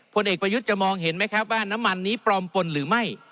ผลเอกประยุทธ์จะมองเห็นไหมครับว่าน้ำมันนี้ปลอมปนหรือไม่